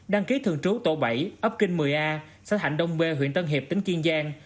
đăng ký thường trú tổ bảy ấp kinh một mươi a xã thạnh đông bê huyện tân hiệp tỉnh kiên giang